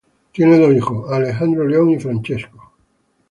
Tiene dos hijos: Alessandro Leon y Francesco.